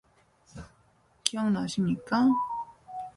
기억나십니까?